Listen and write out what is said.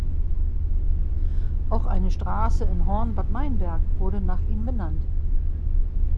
Auch eine Straße in Horn-Bad Meinberg wurde nach ihm benannt.